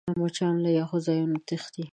مچان له یخو ځایونو تښتي